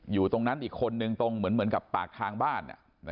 อยู่ตรงนั้นอีกคนนึงตรงเหมือนกับปากทางบ้าน